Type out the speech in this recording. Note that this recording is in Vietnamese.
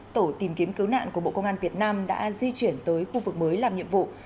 tổ tìm kiếm cứu nạn của bộ công an việt nam đã di chuyển tới khu vực mới làm nhiệm vụ